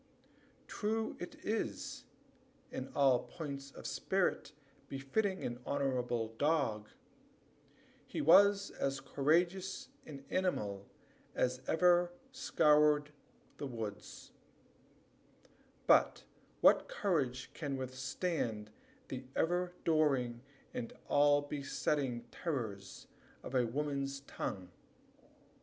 True it is, in all points of spirit befitting an honorable dog, he was as courageous an animal as ever scoured the woods but what courage can withstand the ever during and all besetting terrors of a woman's tongue?